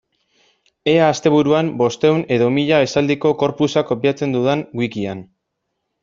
Ea asteburuan bostehun edo mila esaldiko corpusa kopiatzen dudan wikian.